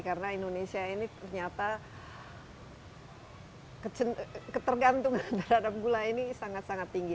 karena indonesia ini ternyata ketergantungan terhadap gula ini sangat sangat tinggi